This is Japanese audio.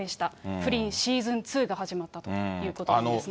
不倫シーズン２が始まったということですね。